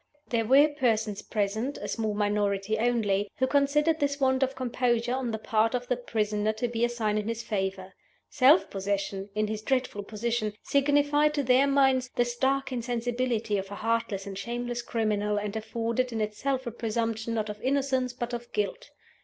There were persons present (a small minority only) who considered this want of composure on the part of the prisoner to be a sign in his favor. Self possession, in his dreadful position, signified, to their minds, the stark insensibility of a heartless and shameless criminal, and afforded in itself a presumption, not of innocence, but of guilt.